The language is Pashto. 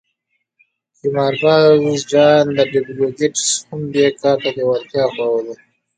قمارباز جان ډبلیو ګیټس هم دې کار ته لېوالتیا ښوولې وه